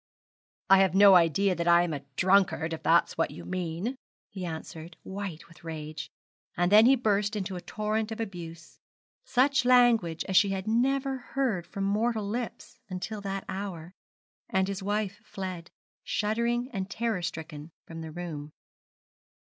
'I have no idea that I am a drunkard, if that's what you mean,' he answered, white with rage; and then he burst into a torrent of abuse such language as she had never heard from mortal lips until that hour, and his wife fled, shuddering and terror stricken, from the room.